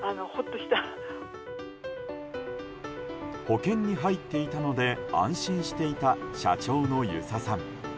保険に入っていたので安心していた社長の遊佐さん。